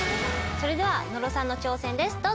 それでは野呂さんの挑戦です。